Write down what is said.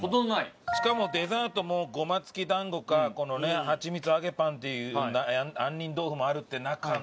しかもデザートもごま付きだんごかこのねはちみつ揚げパンアンニンドウフもあるって中の。